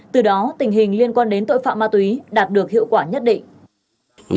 từ đó tình hình liên quan đến tội phạm ma túy đạt được hiệu quả nhất định